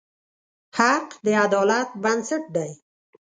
حق د عدالت بنسټ دی.